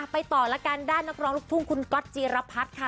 ไปต่อแล้วกันด้านนักร้องลูกทุ่งคุณก๊อตจีรพัฒน์ค่ะ